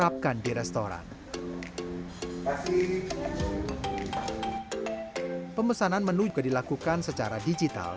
pemesanan menu juga dilakukan secara digital